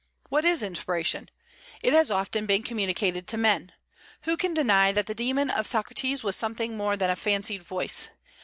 What is inspiration? It has often been communicated to men. Who can deny that the daemon of Socrates was something more than a fancied voice?